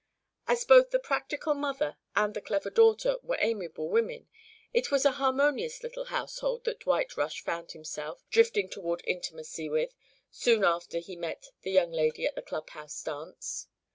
As both the practical mother and the clever daughter were amiable women it was a harmonious little household that Dwight Rush found himself drifting toward intimacy with soon after he met the young lady at a clubhouse dance.